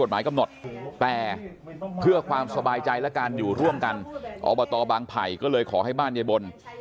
แต่เพื่อความสบายใจแล้วกันอยู่ร่วมกันอบตบางภัยก็เลยขอให้บ้านเย็นบน